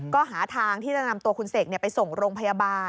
ก็หาทางที่จะนำตัวคุณเสกไปส่งโรงพยาบาล